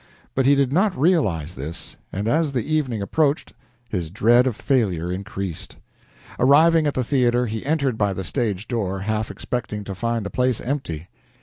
But he did not realize this, and, as the evening approached, his dread of failure increased. Arriving at the theater, he entered by the stage door, half expecting to find the place empty.